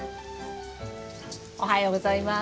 おはようございます。